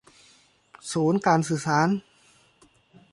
ศูนย์การสื่อสาร